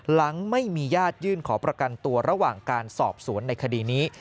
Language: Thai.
หลังไม่มีญาติยื่นขอประกันตัวระหว่างการสอบสวนในคดีนี้